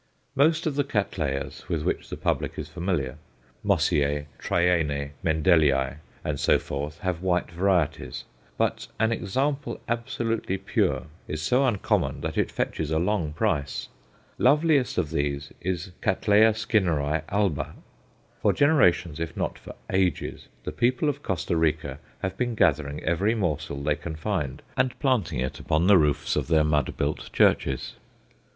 Most of the Cattleyas with which the public is familiar Mossiæ, Trianæ, Mendellii, and so forth have white varieties; but an example absolutely pure is so uncommon that it fetches a long price. Loveliest of these is C. Skinneri alba. For generations, if not for ages, the people of Costa Rica have been gathering every morsel they can find, and planting it upon the roofs of their mud built churches.